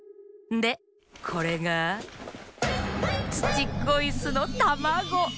でこれがツチッコイスのたまご。